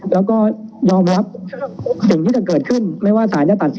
แล้วก็ยอมรับสิ่งที่จะเกิดขึ้นไม่ว่าสารจะตัดสิน